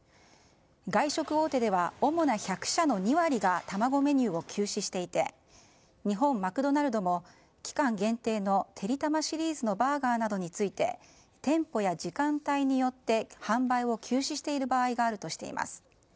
外食大手では主な１００社の２割が卵メニューを休止していて日本マクドナルドも期間限定のてりたまシリーズのバーガーなどについて店舗や時間帯によって販売を休止している場合があるとしています。